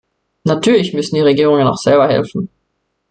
Natürlich müssen die Regierungen auch selber helfen.